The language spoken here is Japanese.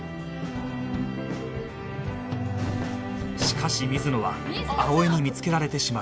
しかし水野は葵に見つけられてしまう